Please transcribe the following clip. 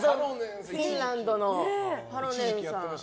フィンランドのハロネンさん。